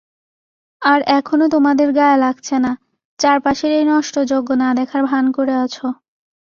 আর এখনো তোমাদের গায়ে লাগছেনা, চারপাশের এই নষ্টযজ্ঞ না দেখার ভান করে আছো।